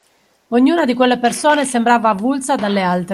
Ognuna di quelle persone sembrava avulsa dalle altre.